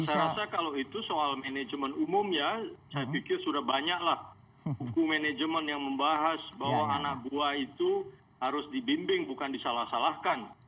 saya rasa kalau itu soal manajemen umum ya saya pikir sudah banyaklah buku manajemen yang membahas bahwa anak buah itu harus dibimbing bukan disalah salahkan